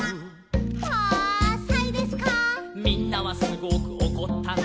「みんなはすごくおこったの」